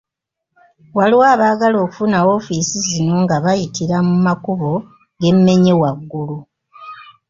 Waliwo abaagala okufuna woofiisi zino nga bayitira mu makubo ge mmenye waggulu.